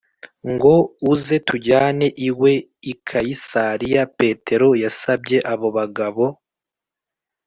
Ngo uze tujyane iwe i kayisariya petero yasabye abo bagabo